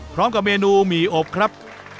พร้อมกับเมนูหมี่อบครับ